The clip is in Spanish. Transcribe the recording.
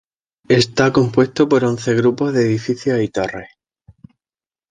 Está compuesto por once grupos de edificios y torres.